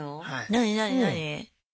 何何何？